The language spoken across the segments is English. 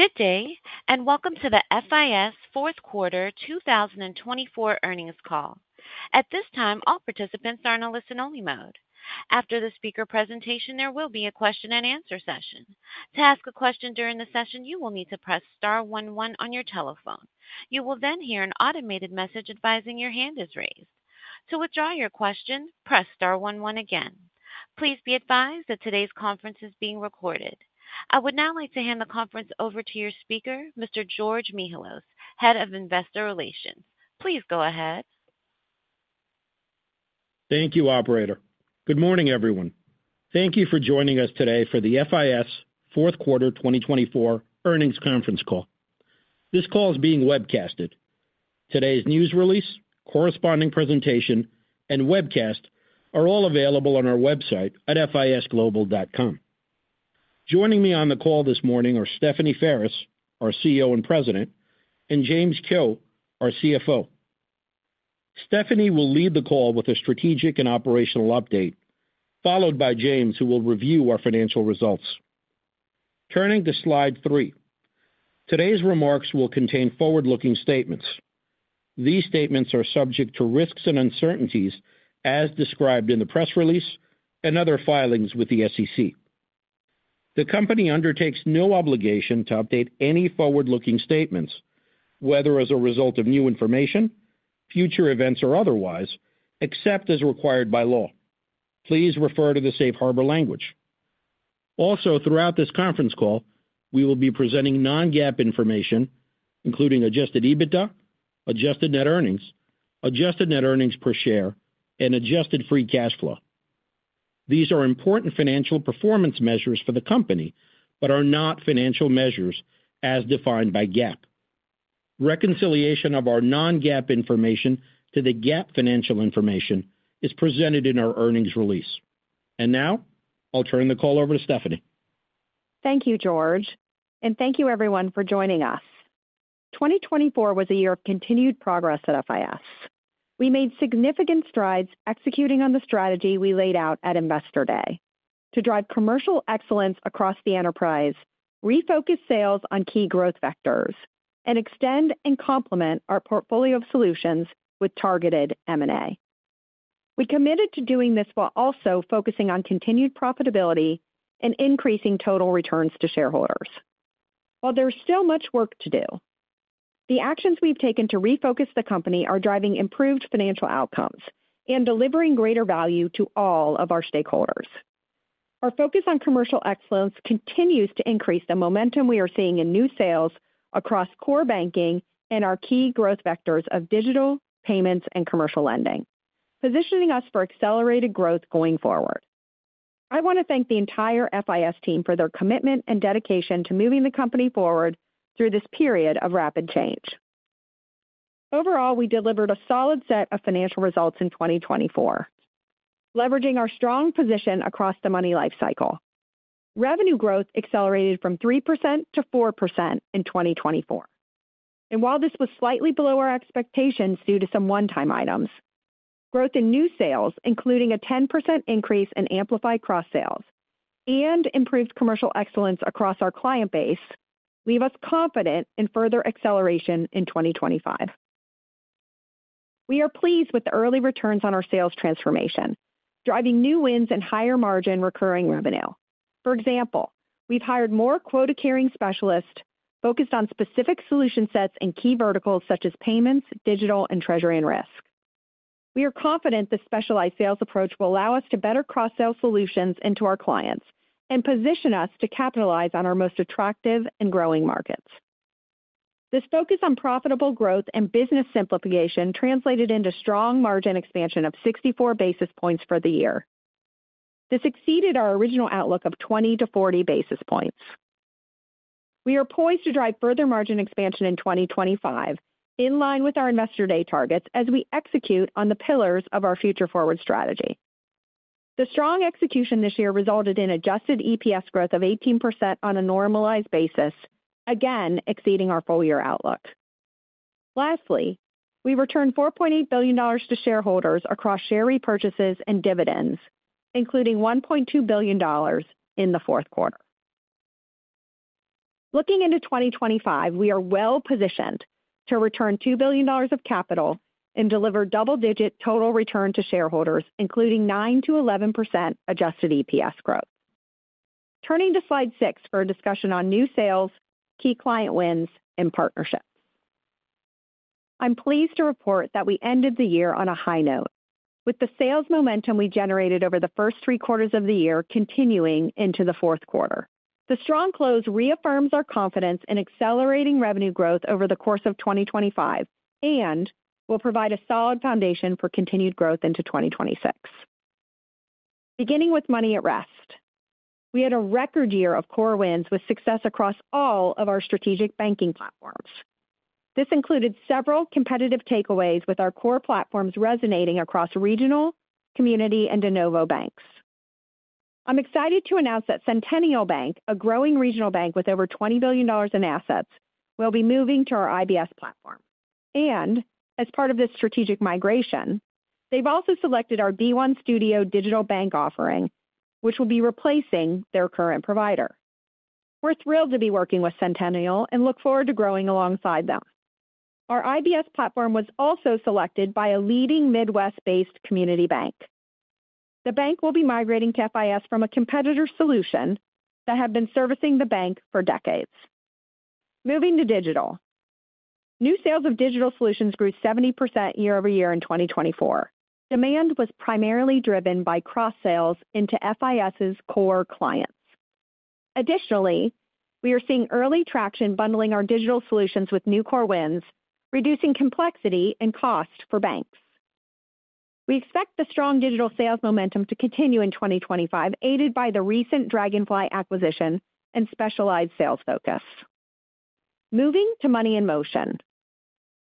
Good day, and welcome to the FIS Fourth Quarter 2024 earnings call. At this time, all participants are in a listen-only mode. After the speaker presentation, there will be a question-and-answer session. To ask a question during the session, you will need to press star 11 on your telephone. You will then hear an automated message advising your hand is raised. To withdraw your question, press star 11 again. Please be advised that today's conference is being recorded. I would now like to hand the conference over to your speaker, Mr. George Mihalos, Head of Investor Relations. Please go ahead. Thank you, Operator. Good morning, everyone. Thank you for joining us today for the FIS Fourth Quarter 2024 earnings conference call. This call is being webcasted. Today's news release, corresponding presentation, and webcast are all available on our website at fisglobal.com. Joining me on the call this morning are Stephanie Ferris, our CEO and President, and James Kehoe, our CFO. Stephanie will lead the call with a strategic and operational update, followed by James, who will review our financial results. Turning to slide three, today's remarks will contain forward-looking statements. These statements are subject to risks and uncertainties, as described in the press release and other filings with the SEC. The company undertakes no obligation to update any forward-looking statements, whether as a result of new information, future events, or otherwise, except as required by law. Please refer to the safe harbor language. Also, throughout this conference call, we will be presenting non-GAAP information, including adjusted EBITDA, adjusted net earnings, adjusted net earnings per share, and adjusted free cash flow. These are important financial performance measures for the company but are not financial measures as defined by GAAP. Reconciliation of our non-GAAP information to the GAAP financial information is presented in our earnings release. And now, I'll turn the call over to Stephanie. Thank you, George, and thank you, everyone, for joining us. 2024 was a year of continued progress at FIS. We made significant strides executing on the strategy we laid out at Investor Day. To drive commercial excellence across the enterprise, we focused sales on key growth vectors and extend and complement our portfolio of solutions with targeted M&A. We committed to doing this while also focusing on continued profitability and increasing total returns to shareholders. While there's still much work to do, the actions we've taken to refocus the company are driving improved financial outcomes and delivering greater value to all of our stakeholders. Our focus on commercial excellence continues to increase the momentum we are seeing in new sales across core Banking and our key growth vectors of digital payments and commercial lending, positioning us for accelerated growth going forward. I want to thank the entire FIS team for their commitment and dedication to moving the company forward through this period of rapid change. Overall, we delivered a solid set of financial results in 2024, leveraging our strong position across the money lifecycle. Revenue growth accelerated from 3% to 4% in 2024, and while this was slightly below our expectations due to some one-time items, growth in new sales, including a 10% increase in amplified cross-sales and improved commercial excellence across our client base, leave us confident in further acceleration in 2025. We are pleased with the early returns on our sales transformation, driving new wins and higher margin recurring revenue. For example, we've hired more quota-carrying specialists focused on specific solution sets and key verticals such as payments, digital, and treasury and risk. We are confident the specialized sales approach will allow us to better cross-sell solutions into our clients and position us to capitalize on our most attractive and growing markets. This focus on profitable growth and business simplification translated into strong margin expansion of 64 basis points for the year. This exceeded our original outlook of 20-40 basis points. We are poised to drive further margin expansion in 2025 in line with our Investor Day targets as we execute on the pillars of our Future Forward strategy. The strong execution this year resulted in adjusted EPS growth of 18% on a normalized basis, again exceeding our full-year outlook. Lastly, we returned $4.8 billion to shareholders across share repurchases and dividends, including $1.2 billion in the fourth quarter. Looking into 2025, we are well positioned to return $2 billion of capital and deliver double-digit total return to shareholders, including 9%-11% adjusted EPS growth. Turning to slide six for a discussion on new sales, key client wins, and partnerships. I'm pleased to report that we ended the year on a high note, with the sales momentum we generated over the first three quarters of the year continuing into the fourth quarter. The strong close reaffirms our confidence in accelerating revenue growth over the course of 2025 and will provide a solid foundation for continued growth into 2026. Beginning with money at rest, we had a record year of core wins with success across all of our strategic Banking platforms. This included several competitive takeaways, with our core platforms resonating across regional, community, and de novo banks. I'm excited to announce that Centennial Bank, a growing regional bank with over $20 billion in assets, will be moving to our IBS platform, and as part of this strategic migration, they've also selected our D1 Studio digital bank offering, which will be replacing their current provider. We're thrilled to be working with Centennial and look forward to growing alongside them. Our IBS platform was also selected by a leading Midwest-based community bank. The bank will be migrating to FIS from a competitor solution that had been servicing the bank for decades. Moving to digital, new sales of digital solutions grew 70% year over year in 2024. Demand was primarily driven by cross-sales into FIS's core clients. Additionally, we are seeing early traction bundling our digital solutions with new core wins, reducing complexity and cost for banks. We expect the strong digital sales momentum to continue in 2025, aided by the recent Dragonfly acquisition and specialized sales focus. Moving to money in motion,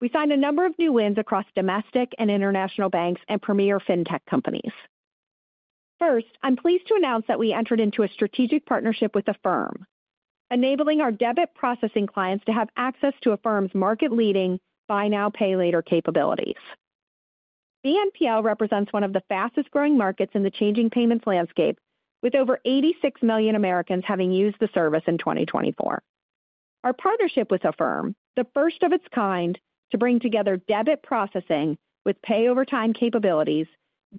we signed a number of new wins across domestic and international banks and premier fintech companies. First, I'm pleased to announce that we entered into a strategic partnership with Affirm, enabling our debit processing clients to have access to Affirm's market-leading buy-now-pay-later capabilities. BNPL represents one of the fastest-growing markets in the changing payments landscape, with over 86 million Americans having used the service in 2024. Our partnership with Affirm, the first of its kind to bring together debit processing with pay-over-time capabilities,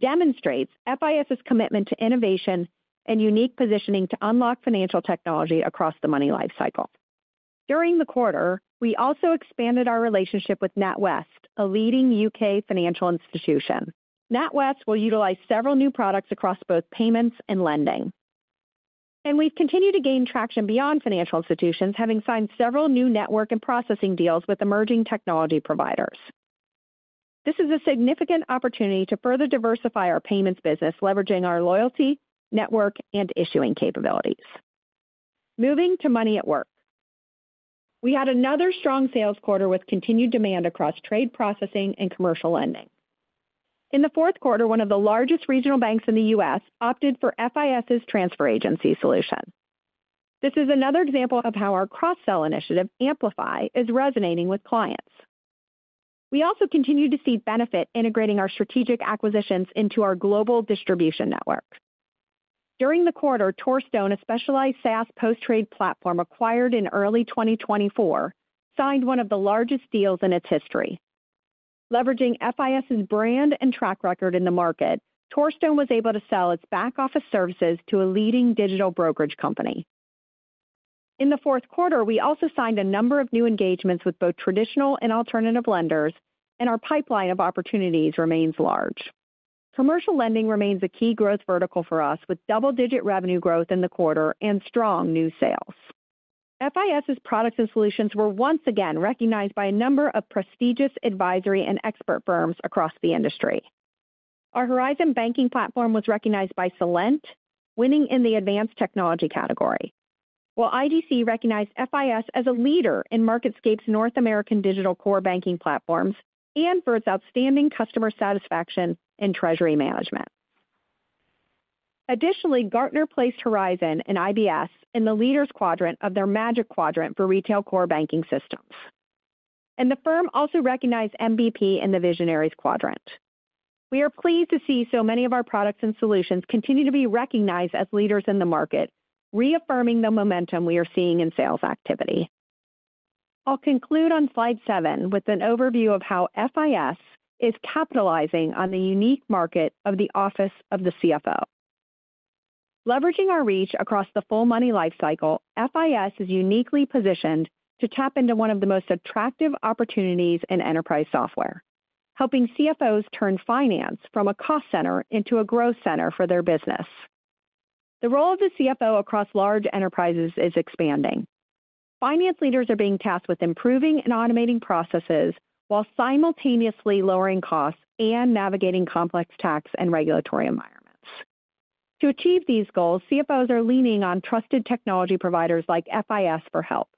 demonstrates FIS's commitment to innovation and unique positioning to unlock financial technology across the money lifecycle. During the quarter, we also expanded our relationship with NatWest, a leading U.K. financial institution. NatWest will utilize several new products across both payments and lending. And we've continued to gain traction beyond financial institutions, having signed several new network and processing deals with emerging technology providers. This is a significant opportunity to further diversify our payments business, leveraging our loyalty, network, and issuing capabilities. Moving to money at work, we had another strong sales quarter with continued demand across trade processing and commercial lending. In the fourth quarter, one of the largest regional banks in the U.S. opted for FIS's transfer agency solution. This is another example of how our cross-sell initiative, Amplify, is resonating with clients. We also continue to see benefit integrating our strategic acquisitions into our global distribution network. During the quarter, Torstone, a specialized SaaS post-trade platform acquired in early 2024, signed one of the largest deals in its history. Leveraging FIS's brand and track record in the market, Torstone was able to sell its back-office services to a leading digital brokerage company. In the fourth quarter, we also signed a number of new engagements with both traditional and alternative lenders, and our pipeline of opportunities remains large. Commercial lending remains a key growth vertical for us, with double-digit revenue growth in the quarter and strong new sales. FIS's products and solutions were once again recognized by a number of prestigious advisory and expert firms across the industry. Our Horizon Banking platform was recognized by Celent, winning in the advanced technology category, while IDC recognized FIS as a leader in MarketScape's North American digital core Banking platforms and for its outstanding customer satisfaction and treasury management. Additionally, Gartner placed Horizon and IBS in the Leaders Quadrant of their Magic Quadrant for retail core Banking systems. The firm also recognized MBP in the Visionaries Quadrant. We are pleased to see so many of our products and solutions continue to be recognized as leaders in the market, reaffirming the momentum we are seeing in sales activity. I'll conclude on slide seven with an overview of how FIS is capitalizing on the unique market of the office of the CFO. Leveraging our reach across the full money lifecycle, FIS is uniquely positioned to tap into one of the most attractive opportunities in enterprise software, helping CFOs turn finance from a cost center into a growth center for their business. The role of the CFO across large enterprises is expanding. Finance leaders are being tasked with improving and automating processes while simultaneously lowering costs and navigating complex tax and regulatory environments. To achieve these goals, CFOs are leaning on trusted technology providers like FIS for help.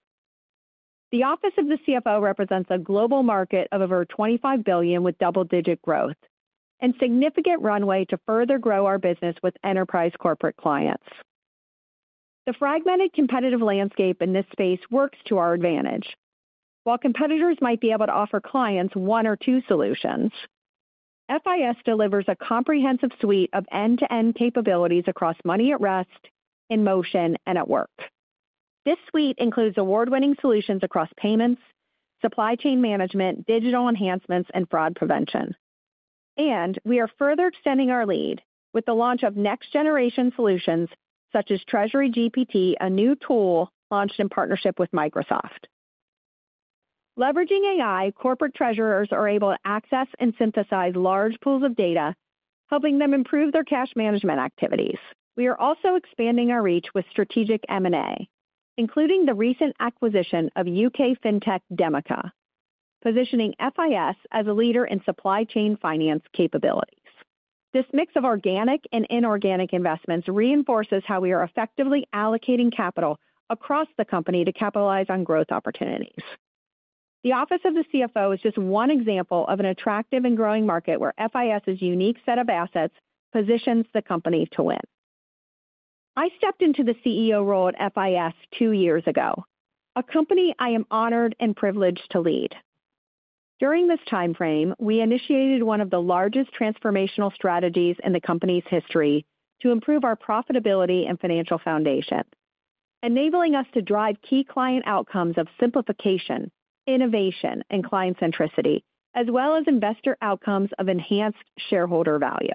The Office of the CFO represents a global market of over $25 billion with double-digit growth and significant runway to further grow our business with enterprise corporate clients. The fragmented competitive landscape in this space works to our advantage. While competitors might be able to offer clients one or two solutions, FIS delivers a comprehensive suite of end-to-end capabilities across money at rest, in motion, and at work. This suite includes award-winning solutions across payments, supply chain management, digital enhancements, and fraud prevention, and we are further extending our lead with the launch of next-generation solutions such as TreasuryGPT, a new tool launched in partnership with Microsoft. Leveraging AI, corporate treasurers are able to access and synthesize large pools of data, helping them improve their cash management activities. We are also expanding our reach with strategic M&A, including the recent acquisition of U.K. FinTech, Demica, positioning FIS as a leader in supply chain finance capabilities. This mix of organic and inorganic investments reinforces how we are effectively allocating capital across the company to capitalize on growth opportunities. The Office of the CFO is just one example of an attractive and growing market where FIS's unique set of assets positions the company to win. I stepped into the CEO role at FIS two years ago, a company I am honored and privileged to lead. During this timeframe, we initiated one of the largest transformational strategies in the company's history to improve our profitability and financial foundation, enabling us to drive key client outcomes of simplification, innovation, and client centricity, as well as investor outcomes of enhanced shareholder value.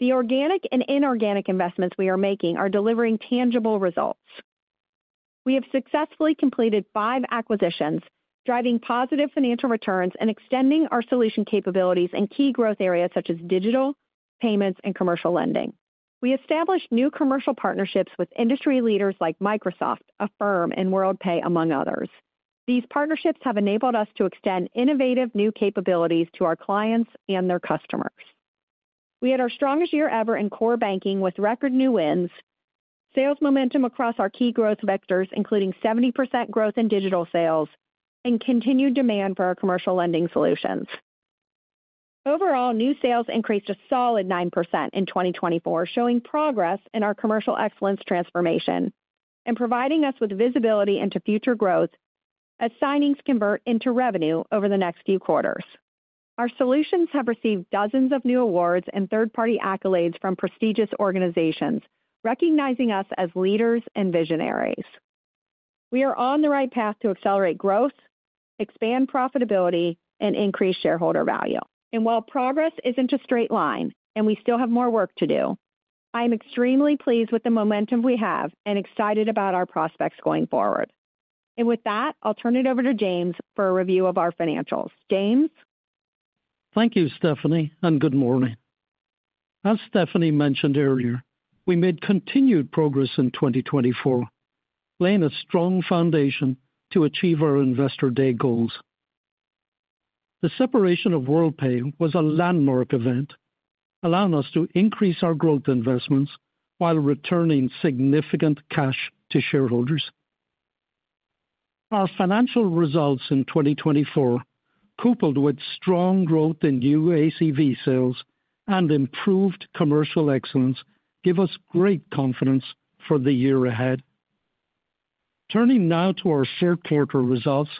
The organic and inorganic investments we are making are delivering tangible results. We have successfully completed five acquisitions, driving positive financial returns and extending our solution capabilities in key growth areas such as digital payments and commercial lending. We established new commercial partnerships with industry leaders like Microsoft, Affirm, and Worldpay, among others. These partnerships have enabled us to extend innovative new capabilities to our clients and their customers. We had our strongest year ever in core Banking with record new wins, sales momentum across our key growth vectors, including 70% growth in digital sales and continued demand for our commercial lending solutions. Overall, new sales increased a solid 9% in 2024, showing progress in our Commercial Excellence transformation and providing us with visibility into future growth as signings convert into revenue over the next few quarters. Our solutions have received dozens of new awards and third-party accolades from prestigious organizations, recognizing us as leaders and visionaries. We are on the right path to accelerate growth, expand profitability, and increase shareholder value, and while progress isn't a straight line and we still have more work to do, I am extremely pleased with the momentum we have and excited about our prospects going forward, and with that, I'll turn it over to James for a review of our financials. James. Thank you, Stephanie, and good morning. As Stephanie mentioned earlier, we made continued progress in 2024, laying a strong foundation to achieve our Investor Day goals. The separation of Worldpay was a landmark event, allowing us to increase our growth investments while returning significant cash to shareholders. Our financial results in 2024, coupled with strong growth in UACV sales and improved commercial excellence, give us great confidence for the year ahead. Turning now to our third quarter results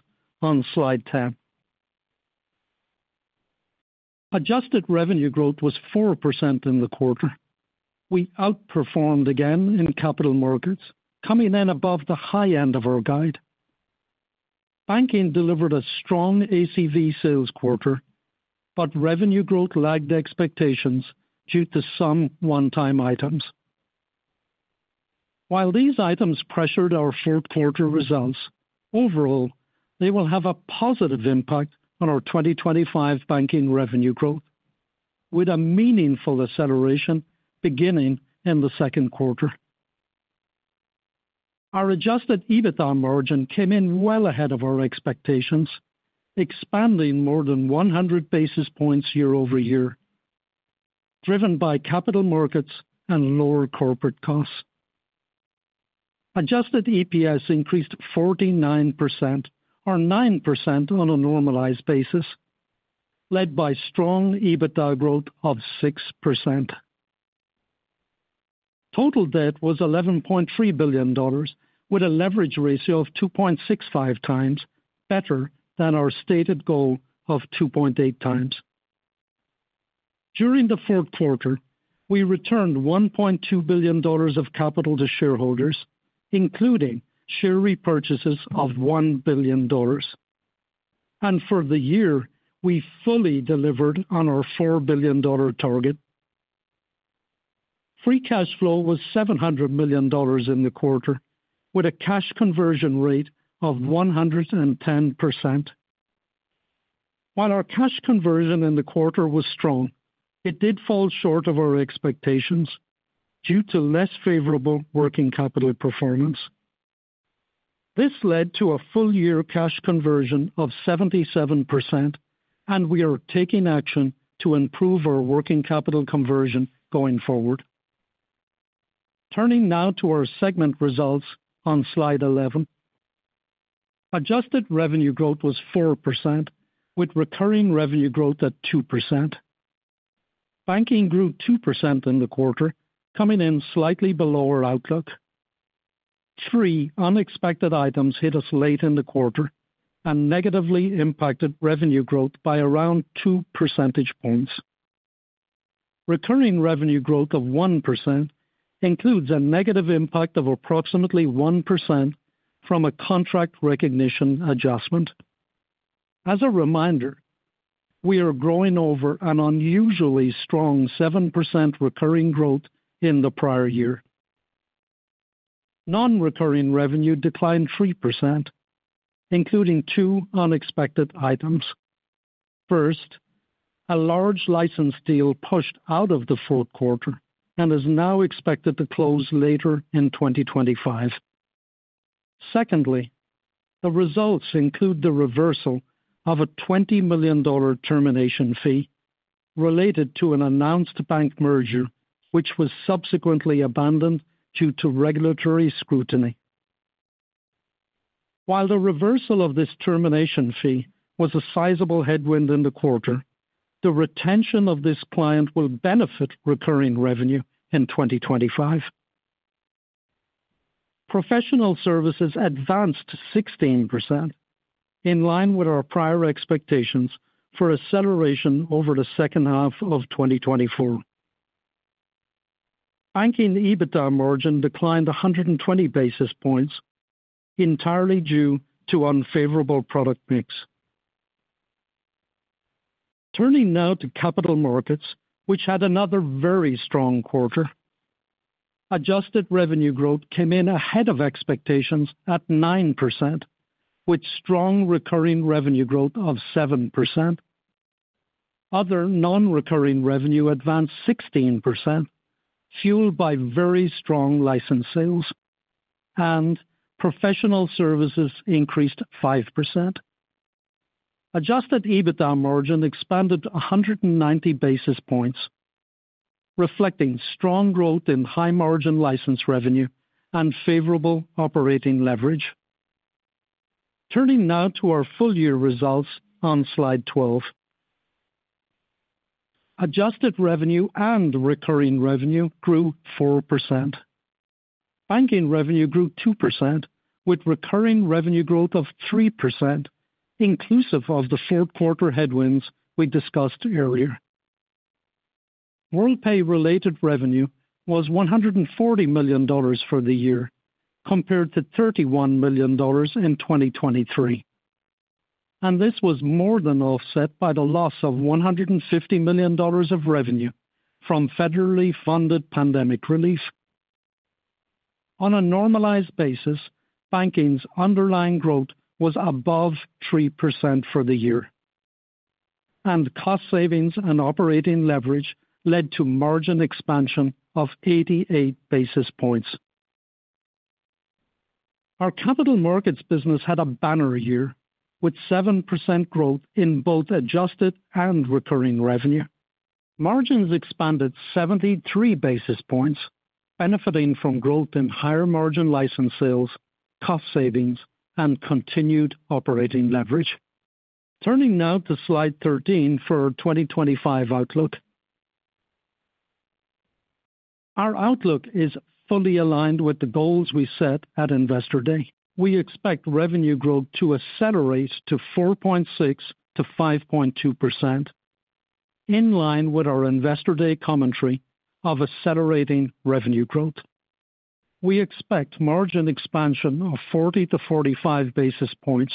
on slide 10. Adjusted revenue growth was 4% in the quarter. We outperformed again in Capital Markets, coming in above the high end of our guide. Banking delivered a strong ACV sales quarter, but revenue growth lagged expectations due to some one-time items. While these items pressured our fourth quarter results, overall, they will have a positive impact on our 2025 Banking revenue growth, with a meaningful acceleration beginning in the second quarter. Our adjusted EBITDA margin came in well ahead of our expectations, expanding more than 100 basis points year over year, driven by Capital Markets and lower corporate costs. Adjusted EPS increased 49%, or 9% on a normalized basis, led by strong EBITDA growth of 6%. Total debt was $11.3 billion, with a leverage ratio of 2.65 times, better than our stated goal of 2.8 times. During the fourth quarter, we returned $1.2 billion of capital to shareholders, including share repurchases of $1 billion, and for the year, we fully delivered on our $4 billion target. Free cash flow was $700 million in the quarter, with a cash conversion rate of 110%. While our cash conversion in the quarter was strong, it did fall short of our expectations due to less favorable working capital performance. This led to a full-year cash conversion of 77%, and we are taking action to improve our working capital conversion going forward. Turning now to our segment results on slide 11. Adjusted revenue growth was 4%, with recurring revenue growth at 2%. Banking grew 2% in the quarter, coming in slightly below our outlook. Three unexpected items hit us late in the quarter and negatively impacted revenue growth by around two percentage points. Recurring revenue growth of 1% includes a negative impact of approximately 1% from a contract recognition adjustment. As a reminder, we are growing over an unusually strong 7% recurring growth in the prior year. Non-recurring revenue declined 3%, including two unexpected items. First, a large license deal pushed out of the fourth quarter and is now expected to close later in 2025. Secondly, the results include the reversal of a $20 million termination fee related to an announced bank merger, which was subsequently abandoned due to regulatory scrutiny. While the reversal of this termination fee was a sizable headwind in the quarter, the retention of this client will benefit recurring revenue in 2025. Professional services advanced 16%, in line with our prior expectations for acceleration over the second half of 2024. Banking EBITDA margin declined 120 basis points, entirely due to unfavorable product mix. Turning now to Capital Markets, which had another very strong quarter. Adjusted revenue growth came in ahead of expectations at 9%, with strong recurring revenue growth of 7%. Other non-recurring revenue advanced 16%, fueled by very strong license sales, and professional services increased 5%. Adjusted EBITDA margin expanded 190 basis points, reflecting strong growth in high-margin license revenue and favorable operating leverage. Turning now to our full-year results on slide 12. Adjusted revenue and recurring revenue grew 4%. Banking revenue grew 2%, with recurring revenue growth of 3%, inclusive of the fourth quarter headwinds we discussed earlier. Worldpay-related revenue was $140 million for the year, compared to $31 million in 2023, and this was more than offset by the loss of $150 million of revenue from federally funded pandemic relief. On a normalized basis, Banking's underlying growth was above 3% for the year. Cost savings and operating leverage led to margin expansion of 88 basis points. Our Capital Markets business had a banner year, with 7% growth in both adjusted and recurring revenue. Margins expanded 73 basis points, benefiting from growth in higher margin license sales, cost savings, and continued operating leverage. Turning now to slide 13 for our 2025 outlook. Our outlook is fully aligned with the goals we set at Investor Day. We expect revenue growth to accelerate to 4.6%-5.2%, in line with our Investor Day commentary of accelerating revenue growth. We expect margin expansion of 40-45 basis points,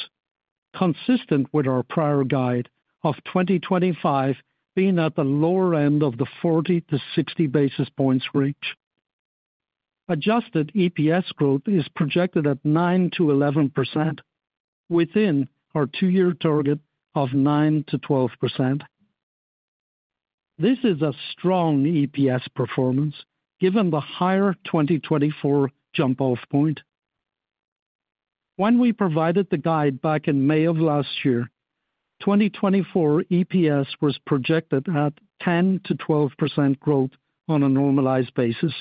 consistent with our prior guide of 2025 being at the lower end of the 40-60 basis points range. Adjusted EPS growth is projected at 9%-11%, within our two-year target of 9%-12%. This is a strong EPS performance given the higher 2024 jump-off point. When we provided the guide back in May of last year, 2024 EPS was projected at 10%-12% growth on a normalized basis.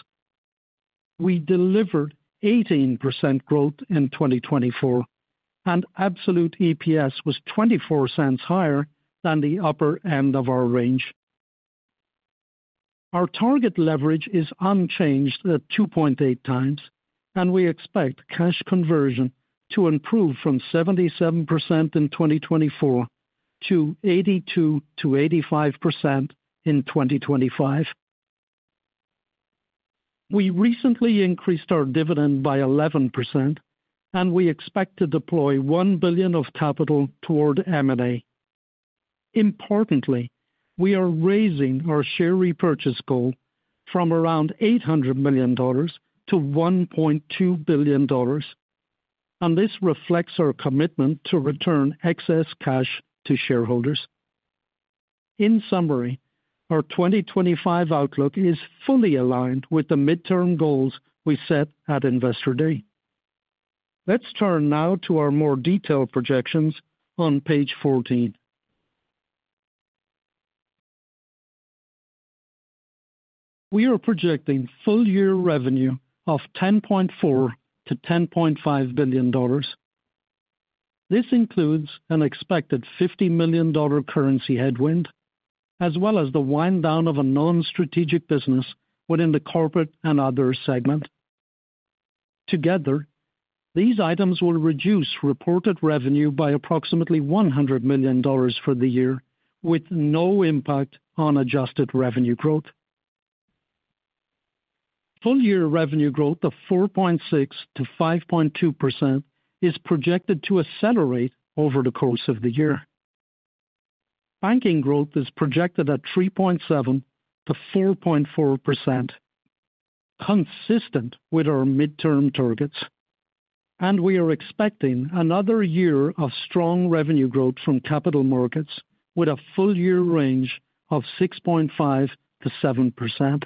We delivered 18% growth in 2024, and absolute EPS was $0.24 higher than the upper end of our range. Our target leverage is unchanged at 2.8 times, and we expect cash conversion to improve from 77% in 2024 to 82%-85% in 2025. We recently increased our dividend by 11%, and we expect to deploy $1 billion of capital toward M&A. Importantly, we are raising our share repurchase goal from around $800 million to $1.2 billion, and this reflects our commitment to return excess cash to shareholders. In summary, our 2025 outlook is fully aligned with the midterm goals we set at Investor Day. Let's turn now to our more detailed projections on page 14. We are projecting full-year revenue of $10.4-$10.5 billion. This includes an expected $50 million currency headwind, as well as the wind down of a non-strategic business within the corporate and other segment. Together, these items will reduce reported revenue by approximately $100 million for the year, with no impact on adjusted revenue growth. Full-year revenue growth of 4.6%-5.2% is projected to accelerate over the course of the year. Banking growth is projected at 3.7%-4.4%, consistent with our midterm targets. And we are expecting another year of strong revenue growth from Capital Markets, with a full-year range of 6.5%-7%.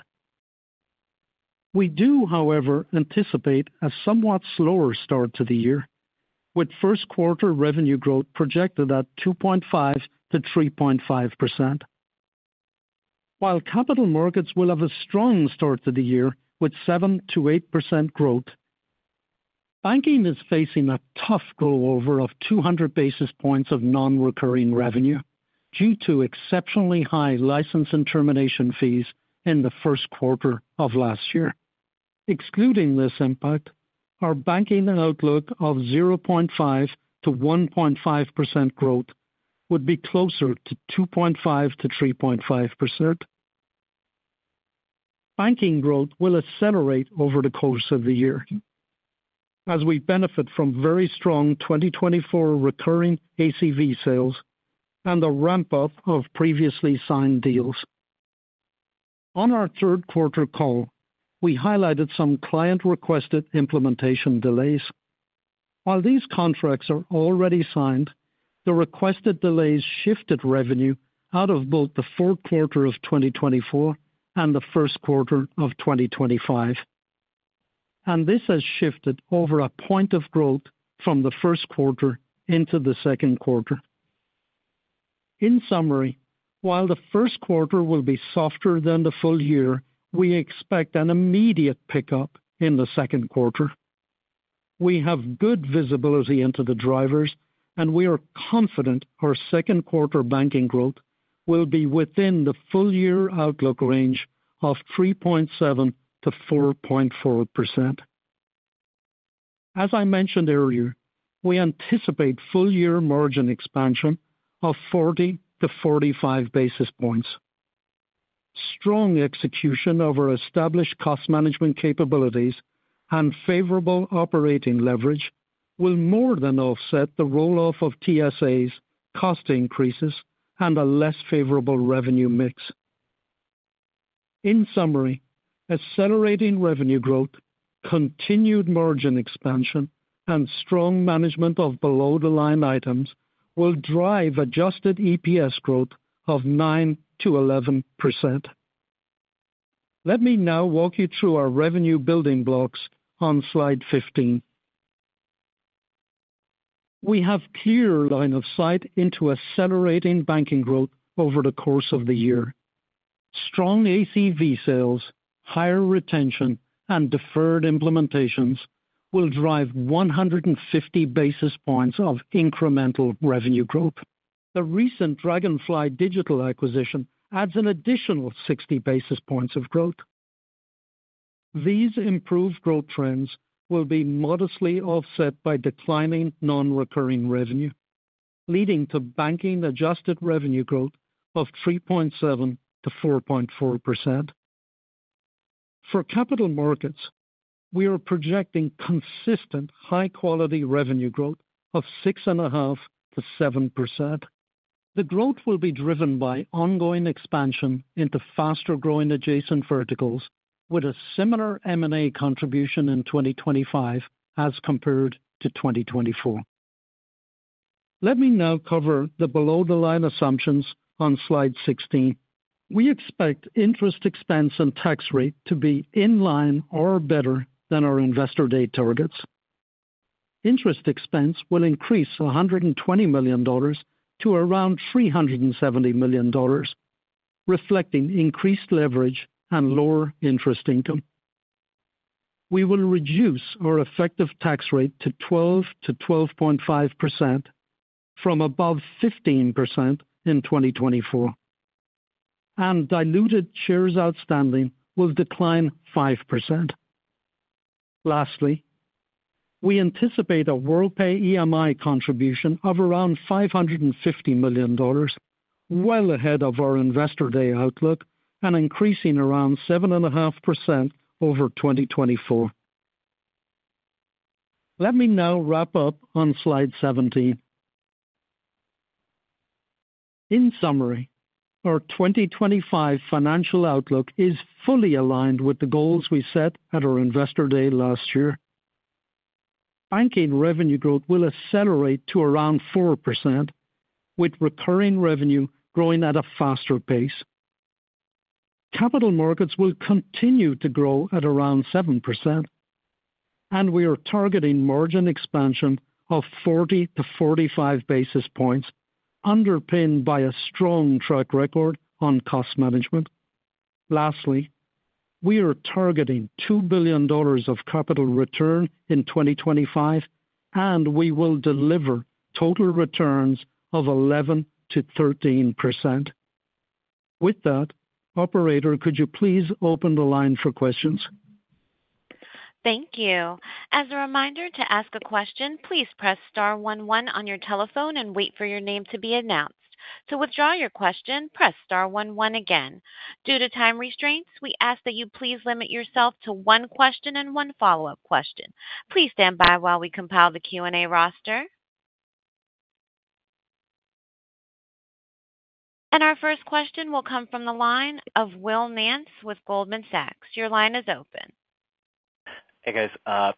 We do, however, anticipate a somewhat slower start to the year, with first quarter revenue growth projected at 2.5%-3.5%. While Capital Markets will have a strong start to the year with 7%-8% growth, Banking is facing a tough goal of over 200 basis points of non-recurring revenue due to exceptionally high license and termination fees in the first quarter of last year. Excluding this impact, our Banking outlook of 0.5%-1.5% growth would be closer to 2.5%-3.5%. Banking growth will accelerate over the course of the year, as we benefit from very strong 2024 recurring ACV sales and the ramp-up of previously signed deals. On our third quarter call, we highlighted some client-requested implementation delays. While these contracts are already signed, the requested delays shifted revenue out of both the fourth quarter of 2024 and the first quarter of 2025. And this has shifted over a point of growth from the first quarter into the second quarter. In summary, while the first quarter will be softer than the full year, we expect an immediate pickup in the second quarter. We have good visibility into the drivers, and we are confident our second quarter Banking growth will be within the full-year outlook range of 3.7%-4.4%. As I mentioned earlier, we anticipate full-year margin expansion of 40-45 basis points. Strong execution of our established cost management capabilities and favorable operating leverage will more than offset the roll-off of TSA's cost increases and a less favorable revenue mix. In summary, accelerating revenue growth, continued margin expansion, and strong management of below-the-line items will drive adjusted EPS growth of 9%-11%. Let me now walk you through our revenue building blocks on slide 15. We have a clear line of sight into accelerating Banking growth over the course of the year. Strong ACV sales, higher retention, and deferred implementations will drive 150 basis points of incremental revenue growth. The recent Dragonfly Digital acquisition adds an additional 60 basis points of growth. These improved growth trends will be modestly offset by declining non-recurring revenue, leading to Banking adjusted revenue growth of 3.7%-4.4%. For Capital Markets, we are projecting consistent high-quality revenue growth of 6.5%-7%. The growth will be driven by ongoing expansion into faster-growing adjacent verticals, with a similar M&A contribution in 2025 as compared to 2024. Let me now cover the below-the-line assumptions on slide 16. We expect interest expense and tax rate to be in line or better than our Investor Day targets. Interest expense will increase $120 million to around $370 million, reflecting increased leverage and lower interest income. We will reduce our effective tax rate to 12%-12.5% from above 15% in 2024. Diluted shares outstanding will decline 5%. Lastly, we anticipate a Worldpay EMI contribution of around $550 million, well ahead of our Investor Day outlook and increasing around 7.5% over 2024. Let me now wrap up on slide 17. In summary, our 2025 financial outlook is fully aligned with the goals we set at our Investor Day last year. Banking revenue growth will accelerate to around 4%, with recurring revenue growing at a faster pace. Capital markets will continue to grow at around 7%. We are targeting margin expansion of 40 to 45 basis points, underpinned by a strong track record on cost management. Lastly, we are targeting $2 billion of capital return in 2025, and we will deliver total returns of 11%-13%. With that, Operator, could you please open the line for questions? Thank you. As a reminder, to ask a question, please press star 11 on your telephone and wait for your name to be announced. To withdraw your question, press star 11 again. Due to time restraints, we ask that you please limit yourself to one question and one follow-up question. Please stand by while we compile the Q&A roster. And our first question will come from the line of Will Nance with Goldman Sachs. Your line is open. Hey, guys.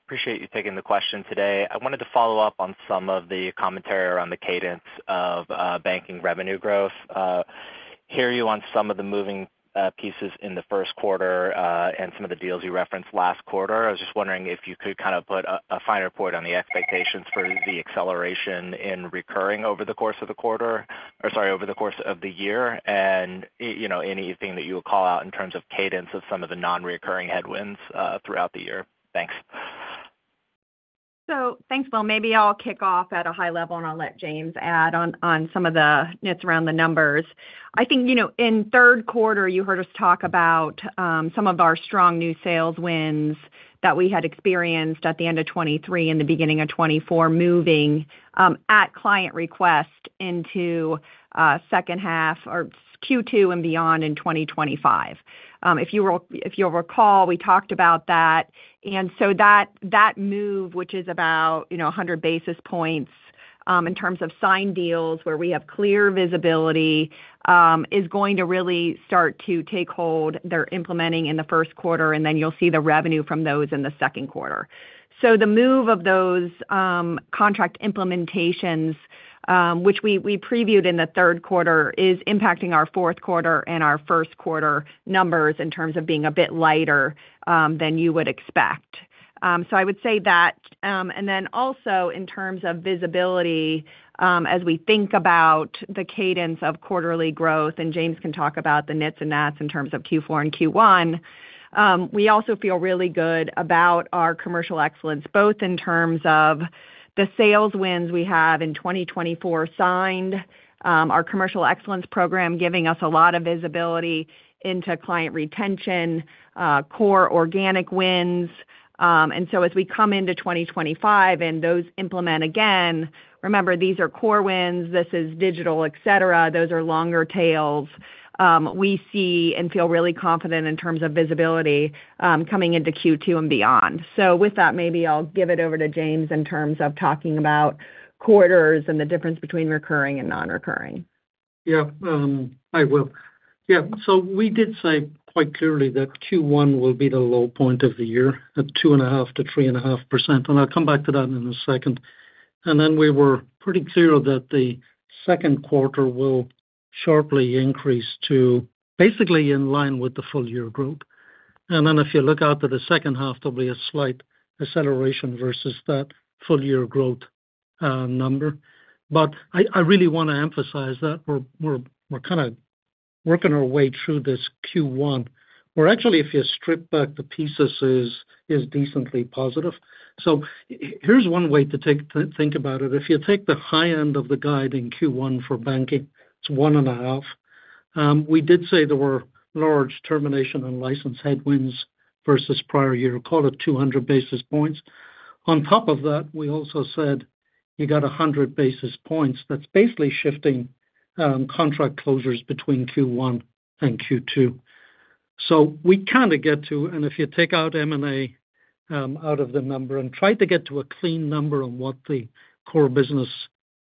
Appreciate you taking the question today. I wanted to follow up on some of the commentary around the cadence of Banking revenue growth. hear you on some of the moving pieces in the first quarter and some of the deals you referenced last quarter. I was just wondering if you could kind of put a finer point on the expectations for the acceleration in recurring over the course of the quarter or, sorry, over the course of the year, and anything that you would call out in terms of cadence of some of the non-recurring headwinds throughout the year. Thanks. So thanks, Will. Maybe I'll kick off at a high level, and I'll let James add on some of the nits around the numbers. I think in third quarter, you heard us talk about some of our strong new sales wins that we had experienced at the end of 2023 and the beginning of 2024, moving at client request into second half or Q2 and beyond in 2025. If you'll recall, we talked about that, and so that move, which is about 100 basis points in terms of signed deals where we have clear visibility, is going to really start to take hold. They're implementing in the first quarter, and then you'll see the revenue from those in the second quarter, so the move of those contract implementations, which we previewed in the third quarter, is impacting our fourth quarter and our first quarter numbers in terms of being a bit lighter than you would expect, so I would say that. And then also, in terms of visibility, as we think about the cadence of quarterly growth, and James can talk about the nits and nats in terms of Q4 and Q1, we also feel really good about our Commercial Excellence, both in terms of the sales wins we have in 2024 signed, our Commercial Excellence program giving us a lot of visibility into client retention, core organic wins. And so as we come into 2025 and those implement again, remember, these are core wins. This is digital, etc. Those are longer tails. We see and feel really confident in terms of visibility coming into Q2 and beyond. So with that, maybe I'll give it over to James in terms of talking about quarters and the difference between recurring and non-recurring. Yeah, I will. Yeah. So we did say quite clearly that Q1 will be the low point of the year, at 2.5% to 3.5%. And I'll come back to that in a second. And then we were pretty clear that the second quarter will sharply increase to basically in line with the full-year growth. And then if you look out to the second half, there'll be a slight acceleration versus that full-year growth number. But I really want to emphasize that we're kind of working our way through this Q1, where actually, if you strip back the pieces, it is decently positive. So here's one way to think about it. If you take the high end of the guide in Q1 for Banking, it's 1.5%. We did say there were large termination and license headwinds versus prior year, call it 200 basis points. On top of that, we also said you got 100 basis points. That's basically shifting contract closures between Q1 and Q2. So we kind of get to, and if you take out M&A out of the number and try to get to a clean number on what the core business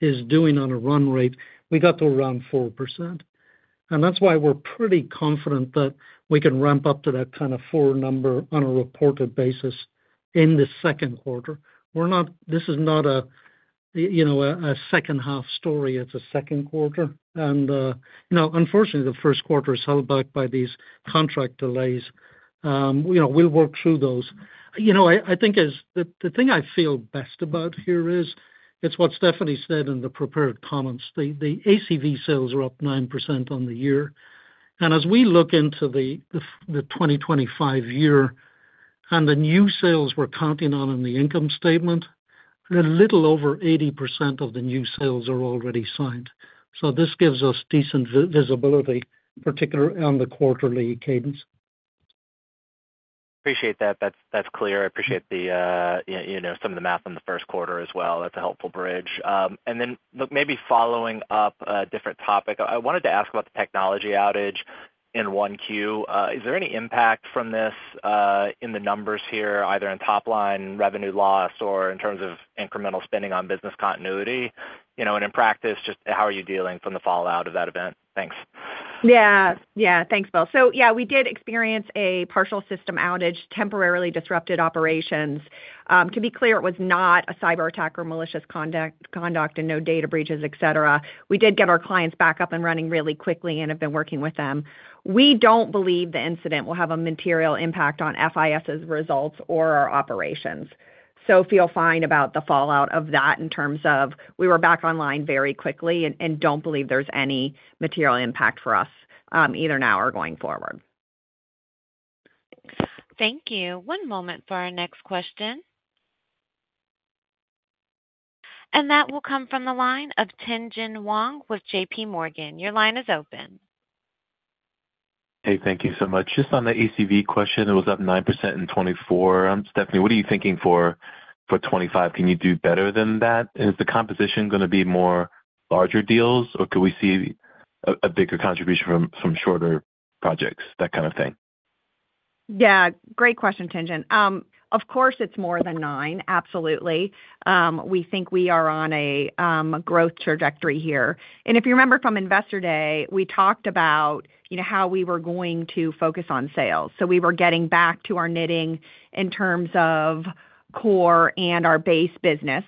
is doing on a run rate, we got to around 4%. And that's why we're pretty confident that we can ramp up to that kind of four number on a reported basis in the second quarter. This is not a second-half story. It's a second quarter. And unfortunately, the first quarter is held back by these contract delays. We'll work through those. I think the thing I feel best about here is it's what Stephanie said in the prepared comments. The ACV sales are up 9% on the year. As we look into the 2025 year and the new sales we're counting on in the income statement, a little over 80% of the new sales are already signed. So this gives us decent visibility, particularly on the quarterly cadence. Appreciate that. That's clear. I appreciate some of the math on the first quarter as well. That's a helpful bridge. And then maybe following up a different topic, I wanted to ask about the technology outage in 1Q. Is there any impact from this in the numbers here, either in top-line revenue loss or in terms of incremental spending on business continuity? And in practice, just how are you dealing with the fallout of that event? Thanks. Yeah. Yeah. Thanks, Bill. So yeah, we did experience a partial system outage, temporarily disrupted operations. To be clear, it was not a cyber attack or malicious conduct and no data breaches, etc. We did get our clients back up and running really quickly and have been working with them. We don't believe the incident will have a material impact on FIS's results or our operations. So feel fine about the fallout of that in terms of we were back online very quickly and don't believe there's any material impact for us either now or going forward. Thank you. One moment for our next question. And that will come from the line of Tien-Tsin Huang with J.P. Morgan. Your line is open. Hey, thank you so much. Just on the ACV question, it was up 9% in 2024. Stephanie, what are you thinking for 2025? Can you do better than that? Is the composition going to be more larger deals, or could we see a bigger contribution from shorter projects, that kind of thing? Yeah. Great question, Tien-Tsin. Of course, it's more than 9. Absolutely. We think we are on a growth trajectory here. If you remember from Investor Day, we talked about how we were going to focus on sales. So we were getting back to our knitting in terms of core and our base business.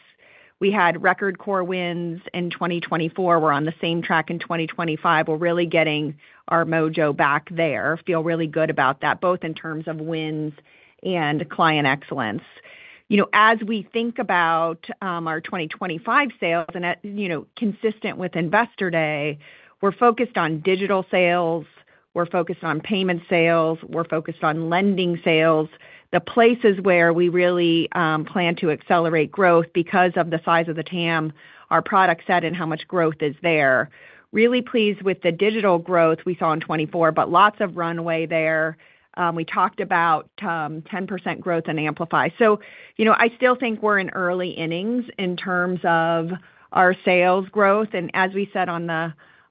We had record core wins in 2024. We're on the same track in 2025. We're really getting our mojo back there. Feel really good about that, both in terms of wins and client excellence. As we think about our 2025 sales, and consistent with Investor Day, we're focused on digital sales. We're focused on payment sales. We're focused on lending sales. The places where we really plan to accelerate growth because of the size of the TAM, our product set, and how much growth is there. Really pleased with the digital growth we saw in 2024, but lots of runway there. We talked about 10% growth and amplify. So I still think we're in early innings in terms of our sales growth, and as we said on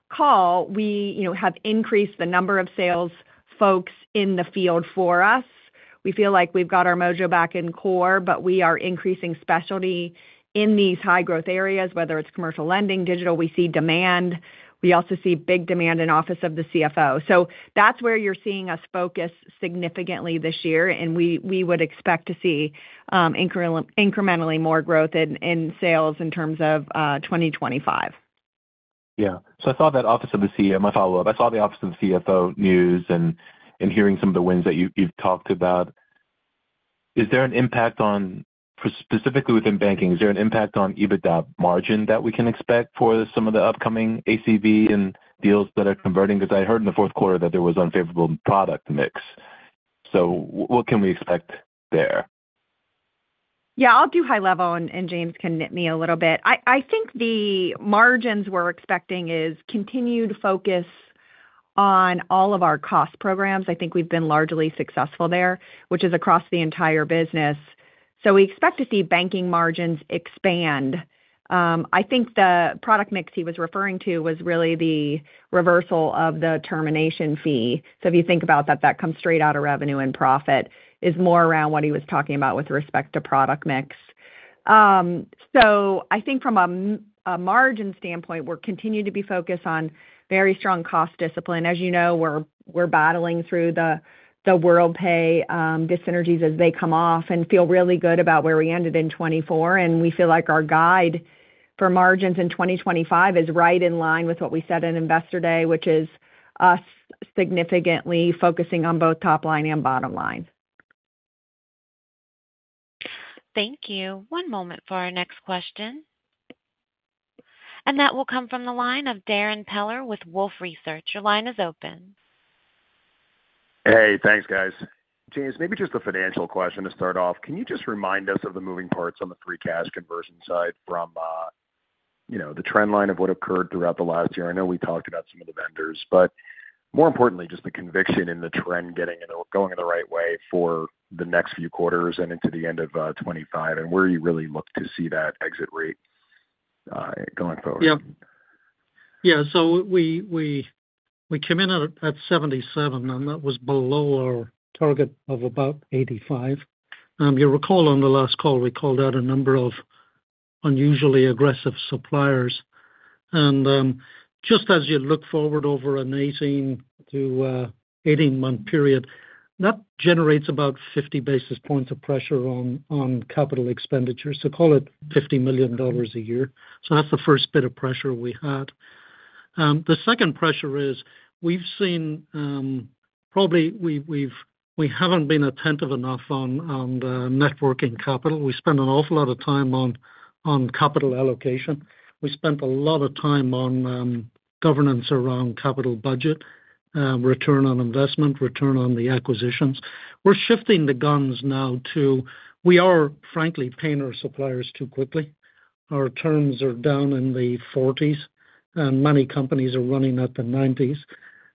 the call, we have increased the number of sales folks in the field for us. We feel like we've got our mojo back in core, but we are increasing specialty in these high-growth areas, whether it's commercial lending, digital. We see demand. We also see big demand in Office of the CFO. So that's where you're seeing us focus significantly this year, and we would expect to see incrementally more growth in sales in terms of 2025. Yeah. So, I thought that Office of the CFO, my follow-up. I saw the Office of the CFO news and hearing some of the wins that you've talked about. Is there an impact on, specifically within Banking, is there an impact on EBITDA margin that we can expect for some of the upcoming ACV and deals that are converting? Because I heard in the fourth quarter that there was unfavorable product mix. So what can we expect there? Yeah. I'll do high level, and James can nitpick me a little bit. I think the margins we're expecting is continued focus on all of our cost programs. I think we've been largely successful there, which is across the entire business. So we expect to see Banking margins expand. I think the product mix he was referring to was really the reversal of the termination fee. So if you think about that, that comes straight out of revenue and profit, is more around what he was talking about with respect to product mix. So I think from a margin standpoint, we're continuing to be focused on very strong cost discipline. As you know, we're battling through the Worldpay dis-synergies as they come off and feel really good about where we ended in 2024. And we feel like our guide for margins in 2025 is right in line with what we said on Investor Day, which is us significantly focusing on both top-line and bottom-line. Thank you. One moment for our next question. And that will come from the line of Darrin Peller with Wolfe Research. Your line is open. Hey, thanks, guys. James, maybe just a financial question to start off. Can you just remind us of the moving parts on the free cash conversion side from the trend line of what occurred throughout the last year? I know we talked about some of the vendors, but more importantly, just the conviction in the trend going the right way for the next few quarters and into the end of 2025, and where you really look to see that exit rate going forward. Yeah. Yeah. So we came in at 77%, and that was below our target of about 85%. You'll recall on the last call, we called out a number of unusually aggressive suppliers. And just as you look forward over an 18 to 18-month period, that generates about 50 basis points of pressure on capital expenditures. So call it $50 million a year. So that's the first bit of pressure we had. The second pressure is we've seen probably we haven't been attentive enough on working capital. We spend an awful lot of time on capital allocation. We spent a lot of time on governance around capital budget, return on investment, return on the acquisitions. We're shifting the guns now to we are, frankly, paying our suppliers too quickly. Our terms are down in the 40s, and many companies are running at the 90s.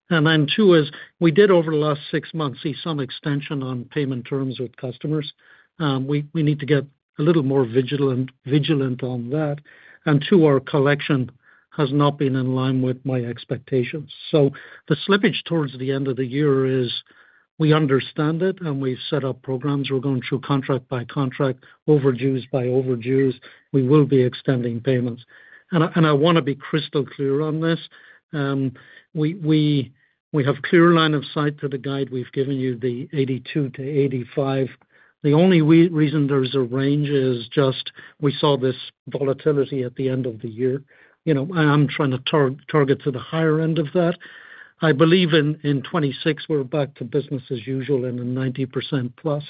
And then, too, is we did, over the last six months, see some extension on payment terms with customers. We need to get a little more vigilant on that. And, too, our collection has not been in line with my expectations. So the slippage toward the end of the year is we understand it, and we've set up programs. We're going through contract by contract, overdues by overdues. We will be extending payments. I want to be crystal clear on this. We have clear line of sight to the guide we've given you, the 82%-85%. The only reason there's a range is just we saw this volatility at the end of the year. I'm trying to target to the higher end of that. I believe in 2026, we're back to business as usual and a 90% plus.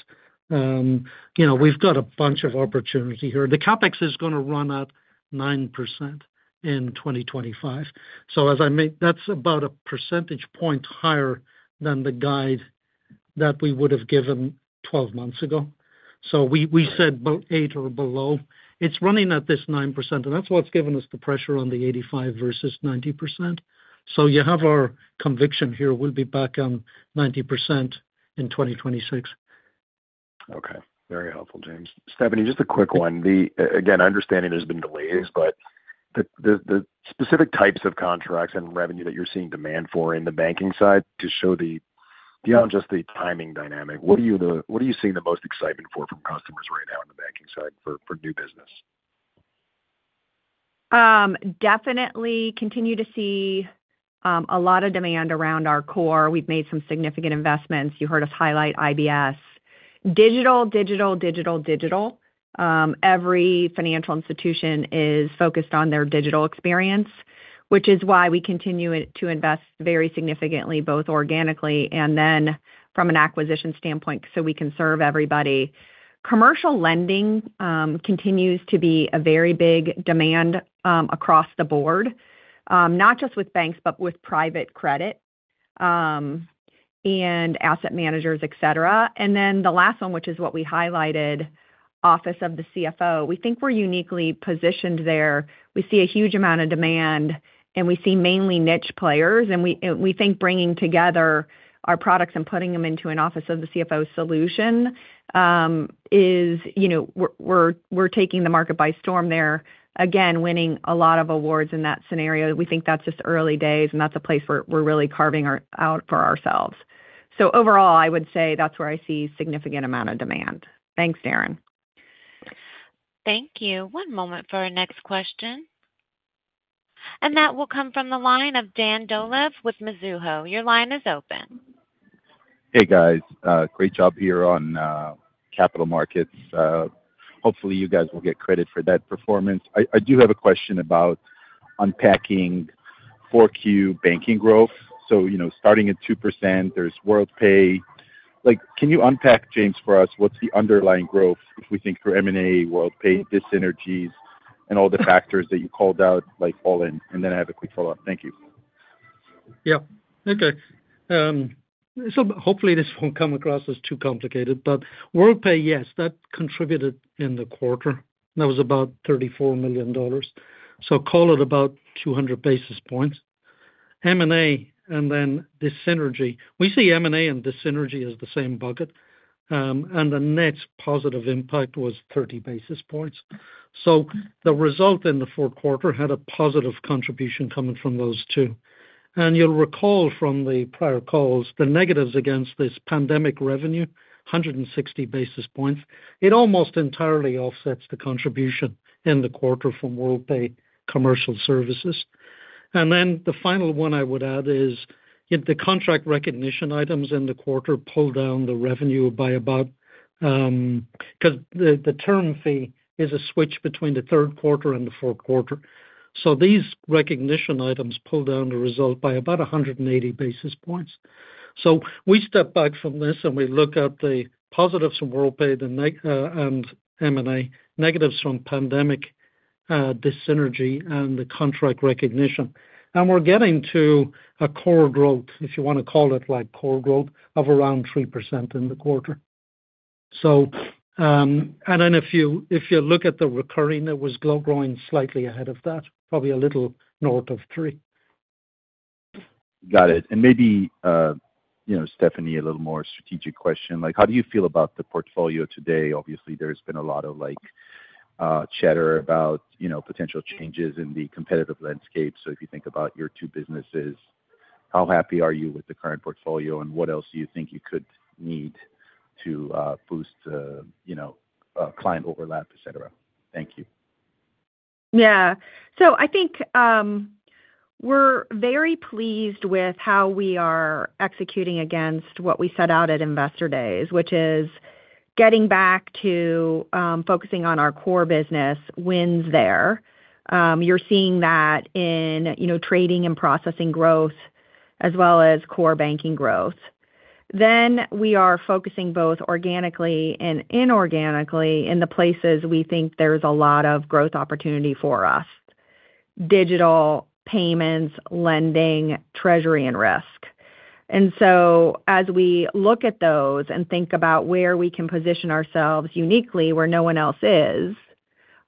We've got a bunch of opportunity here. The CapEx is going to run at 9% in 2025, so as I mean, that's about a percentage point higher than the guide that we would have given 12 months ago, we said about 8% or below. It's running at this 9%, and that's what's given us the pressure on the 85%-90%. You have our conviction here. We'll be back on 90% in 2026. Okay. Very helpful, James. Stephanie, just a quick one. Again, understanding there's been delays, but the specific types of contracts and revenue that you're seeing demand for in the Banking side to show the beyond just the timing dynamic, what are you seeing the most excitement for from customers right now in the Banking side for new business? Definitely continue to see a lot of demand around our core. We've made some significant investments. You heard us highlight IBS. Digital, digital, digital, digital. Every financial institution is focused on their digital experience, which is why we continue to invest very significantly, both organically and then from an acquisition standpoint so we can serve everybody. Commercial lending continues to be a very big demand across the board, not just with banks, but with private credit and asset managers, etc. And then the last one, which is what we highlighted, Office of the CFO. We think we're uniquely positioned there. We see a huge amount of demand, and we see mainly niche players. And we think bringing together our products and putting them into an Office of the CFO solution is, we're taking the market by storm there, again, winning a lot of awards in that scenario. We think that's just early days, and that's a place where we're really carving out for ourselves. So overall, I would say that's where I see a significant amount of demand. Thanks, Darren. Thank you. One moment for our next question, and that will come from the line of Dan Dolev with Mizuho. Your line is open. Hey, guys. Great job here on Capital Markets. Hopefully, you guys will get credit for that performance. I do have a question about unpacking Q4 Banking growth. So starting at 2%, there's Worldpay. Can you unpack, James, for us what's the underlying growth if we think through M&A, Worldpay, dis-synergies, and all the factors that you called out all in? And then I have a quick follow-up. Thank you. Yeah. Okay. So hopefully, this won't come across as too complicated, but Worldpay, yes, that contributed in the quarter. That was about $34 million. So call it about 200 basis points. M&A and then dis-synergy. We see M&A and dis-synergy as the same bucket. And the net positive impact was 30 basis points. So the result in the fourth quarter had a positive contribution coming from those two. And you'll recall from the prior calls, the negatives against this pandemic revenue, 160 basis points. It almost entirely offsets the contribution in the quarter from Worldpay, commercial services. And then the final one I would add is the contract recognition items in the quarter pulled down the revenue by about because the term fee is a switch between the third quarter and the fourth quarter. So these recognition items pulled down the result by about 180 basis points. So we step back from this and we look at the positives from Worldpay and M&A, negatives from pandemic dis-synergy, and the contract recognition. And we're getting to a core growth, if you want to call it core growth, of around 3% in the quarter. And then if you look at the recurring, it was growing slightly ahead of that, probably a little north of 3. Got it. And maybe, Stephanie, a little more strategic question. How do you feel about the portfolio today? Obviously, there's been a lot of chatter about potential changes in the competitive landscape. So if you think about your two businesses, how happy are you with the current portfolio, and what else do you think you could need to boost client overlap, etc.? Thank you. Yeah. So I think we're very pleased with how we are executing against what we set out at Investor Days, which is getting back to focusing on our core business wins there. You're seeing that in trading and processing growth as well as core Banking growth. Then we are focusing both organically and inorganically in the places we think there's a lot of growth opportunity for us: digital, payments, lending, treasury, and risk. And so as we look at those and think about where we can position ourselves uniquely where no one else is,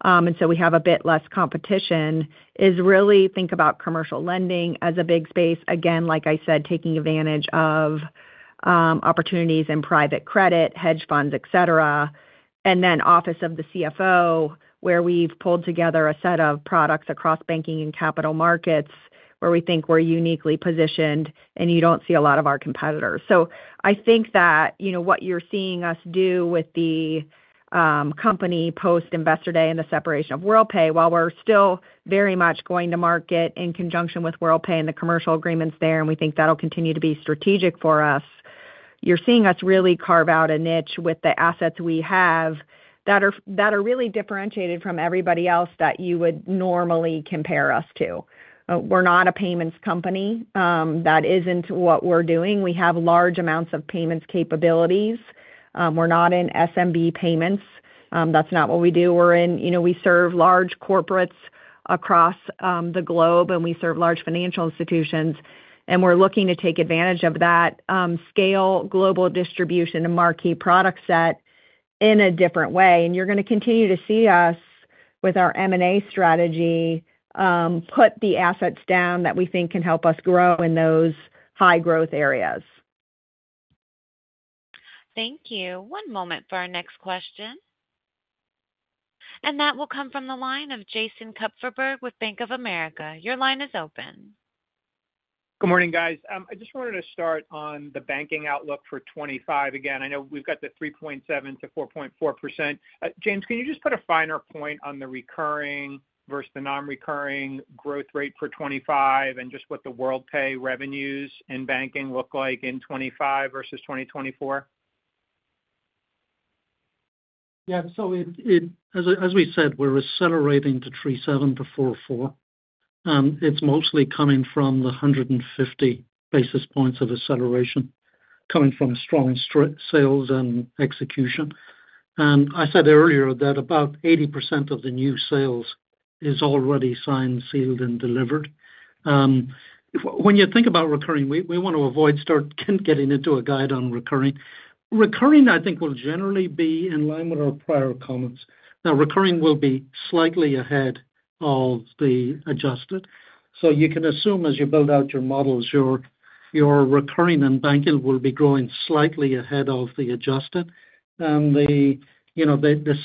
and so we have a bit less competition, is really think about commercial lending as a big space. Again, like I said, taking advantage of opportunities in private credit, hedge funds, etc., and then Office of the CFO, where we've pulled together a set of products across Banking and Capital Markets where we think we're uniquely positioned and you don't see a lot of our competitors. I think that what you're seeing us do with the company post-Investor Day and the separation of Worldpay, while we're still very much going to market in conjunction with Worldpay and the commercial agreements there, and we think that'll continue to be strategic for us, is really carving out a niche with the assets we have that are really differentiated from everybody else that you would normally compare us to. We're not a payments company. That isn't what we're doing. We have large amounts of payments capabilities. We're not in SMB payments. That's not what we do. We serve large corporates across the globe, and we serve large financial institutions. We're looking to take advantage of that scale, global distribution, and marquee product set in a different way. You're going to continue to see us, with our M&A strategy, put the assets down that we think can help us grow in those high-growth areas. Thank you. One moment for our next question. That will come from the line of Jason Kupferberg with Bank of America. Your line is open. Good morning, guys. I just wanted to start on the Banking outlook for 2025. Again, I know we've got the 3.7%-4.4%. James, can you just put a finer point on the recurring versus the non-recurring growth rate for 2025 and just what the Worldpay revenues in Banking look like in 2025 versus 2024? Yeah. As we said, we're accelerating to 3.7%-4.4%. It's mostly coming from the 150 basis points of acceleration coming from strong sales and execution. And I said earlier that about 80% of the new sales is already signed, sealed, and delivered. When you think about recurring, we want to avoid starting getting into a guide on recurring. Recurring, I think, will generally be in line with our prior comments. Now, recurring will be slightly ahead of the adjusted. So you can assume as you build out your models, your recurring and Banking will be growing slightly ahead of the adjusted. And the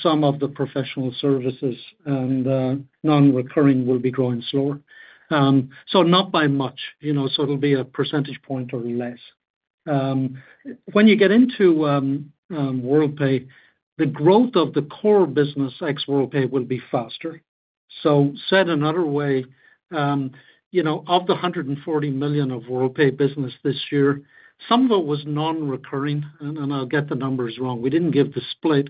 sum of the professional services and non-recurring will be growing slower. So not by much. So it'll be a percentage point or less. When you get into Worldpay, the growth of the core business ex-Worldpay will be faster. So said another way, of the $140 million of Worldpay business this year, some of it was non-recurring, and I'll get the numbers wrong. We didn't give the split.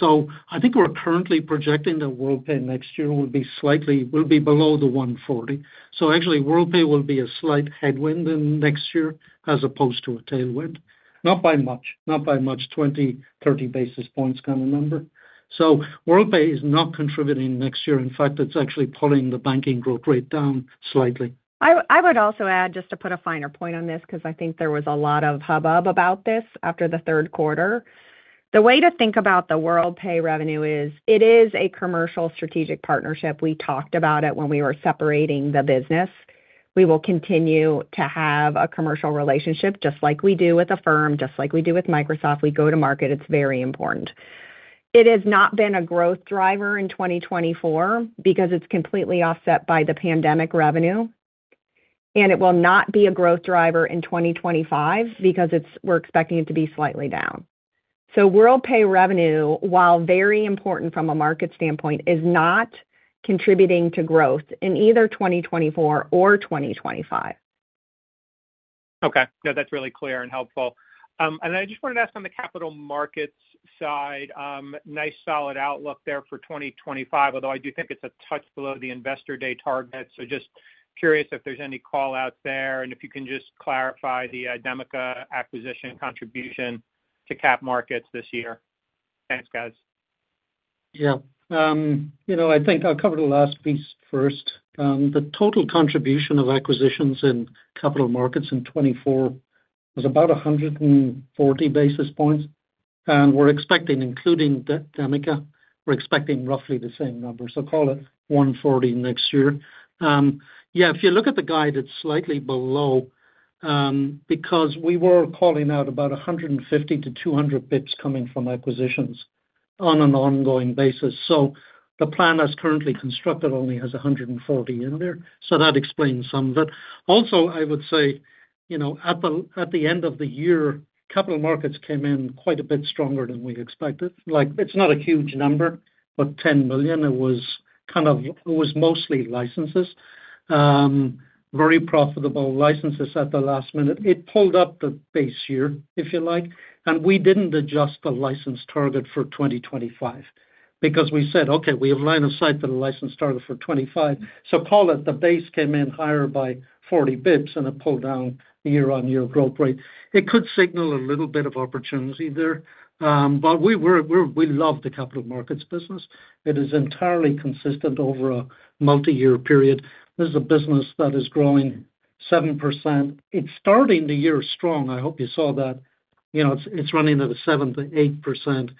So I think we're currently projecting that Worldpay next year will be slightly below the $140 million. So actually, Worldpay will be a slight headwind next year as opposed to a tailwind. Not by much. Not by much. 20-30 basis points kind of number. So Worldpay is not contributing next year. In fact, it's actually pulling the Banking growth rate down slightly. I would also add, just to put a finer point on this because I think there was a lot of hubbub about this after the third quarter. The way to think about the Worldpay revenue is it is a commercial strategic partnership. We talked about it when we were separating the business. We will continue to have a commercial relationship just like we do with Affirm, just like we do with Microsoft. We go to market. It's very important. It has not been a growth driver in 2024 because it's completely offset by the pandemic revenue. And it will not be a growth driver in 2025 because we're expecting it to be slightly down. So Worldpay revenue, while very important from a market standpoint, is not contributing to growth in either 2024 or 2025. Okay. that's really clear and helpful. And then I just wanted to ask on the Capital Markets side, nice solid outlook there for 2025, although I do think it's a touch below the Investor Day target. So just curious if there's any callouts there and if you can just clarify the Demica acquisition contribution to Capital Carkets this year. Thanks, guys. Yeah. I think I'll cover the last piece first. The total contribution of acquisitions in Capital Markets in 2024 was about 140 basis points. And we're expecting, including Demica, we're expecting roughly the same number. So call it 140 next year. Yeah. If you look at the guide, it's slightly below because we were calling out about 150 to 200 basis points coming from acquisitions on an ongoing basis. So the plan that's currently constructed only has 140 in there. So that explains some of it. Also, I would say at the end of the year, Capital Markets came in quite a bit stronger than we expected. It's not a huge number, but $10 million. It was mostly licenses. Very profitable licenses at the last minute. It pulled up the base year, if you like. We didn't adjust the license target for 2025 because we said, "Okay, we have line of sight for the license target for 2025." Call it, the base came in higher by 40 basis points and it pulled down year-on-year growth rate. It could signal a little bit of opportunity there. We love the Capital Markets business. It is entirely consistent over a multi-year period. This is a business that is growing 7%. It's starting the year strong. I hope you saw that. It's running at 7%-8%.